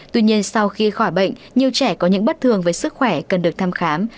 tuy nhiên sau khi khỏi bệnh nhiều trẻ có những bất thường với sức khỏe cần được thăm khám